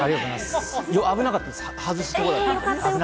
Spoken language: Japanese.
危なかったです。